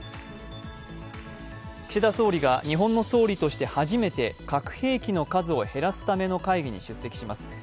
岸田総理が日本の総理として初めて核兵器の数を減らすための会議に出席します。